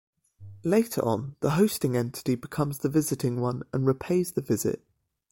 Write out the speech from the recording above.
Later on, the hosting entity becomes the visiting one and repays the visit.